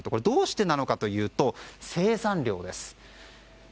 どうしてなのかというと生産量です。